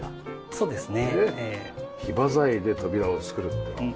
そうですね。